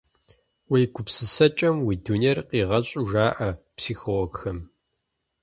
Уи гупсысэкӏэм уи дунейр къигъэщӏу жаӏэ психологхэм.